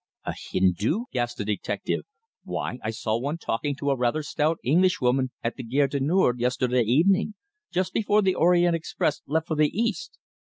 "A Hindu!" gasped the detective. "Why, I saw one talking to a rather stout Englishwoman at the Gare du Nord yesterday evening, just before the Orient Express left for the East!"